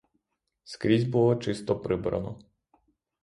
Скрізь було чисто прибрано.